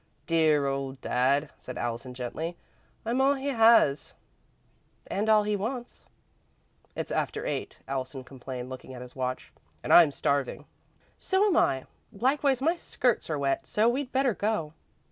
"Dear old Dad," said Allison, gently. "I'm all he has." "And all he wants." "It's after eight," Allison complained, looking at his watch, "and I'm starving." "So am I. Likewise my skirts are wet, so we'd better go."